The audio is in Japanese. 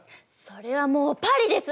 それはもうパリです。